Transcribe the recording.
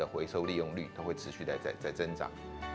jadi keuntungan kita akan terus berkembang